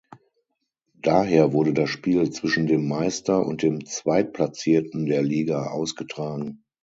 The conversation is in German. Daher wurde das Spiel zwischen dem Meister und dem Zweitplatzierten der Liga ausgetragen.